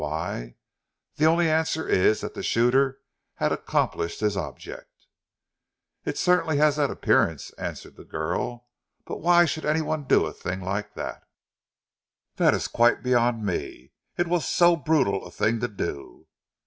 Why? The only answer is that the shooter had accomplished his object." "It certainly has that appearance," answered the girl. "But why should any one do a thing like that?" "That is quite beyond me. It was so brutal a thing to do!"